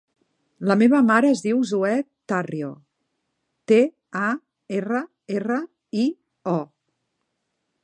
La meva mare es diu Zoè Tarrio: te, a, erra, erra, i, o.